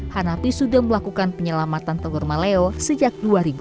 hanapi sudah melakukan penyelamatan telur maleo sejak dua ribu